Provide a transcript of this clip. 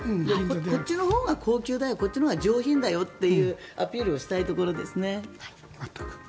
こっちのほうが高級だよ、上品だよというアピールをしたいところですよね。